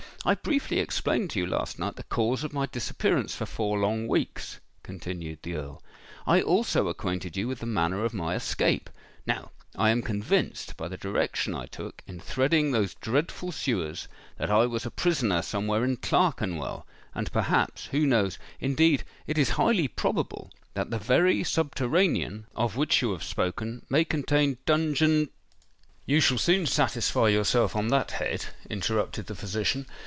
"I briefly explained to you last night the cause of my disappearance for four long weeks," continued the Earl; "I also acquainted you with the manner of my escape. Now, I am convinced, by the direction I took, in threading those dreadful sewers, that I was a prisoner somewhere in Clerkenwell; and perhaps—who knows—indeed, it is highly probable, that the very subterranean, of which you have spoken, may contain dungeon——" "You shall soon satisfy yourself on that head," interrupted the physician.